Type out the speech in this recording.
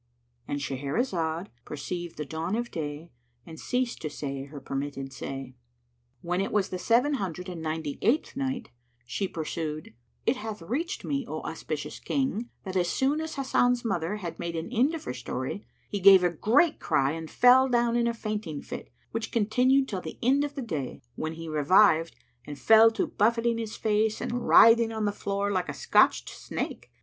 "—And Shahrazad perceived the dawn of day and ceased to say her permitted say. When it was the Seven Hundred and Ninety eighth Night, She pursued, It hath reached me, O auspicious King, that as soon as Hasan's mother had made an end of her story, he gave a great cry and fell down in a fainting fit which continued till the end of day, when he revived and fell to buffeting his face and writhing on the floor like a scotched snake.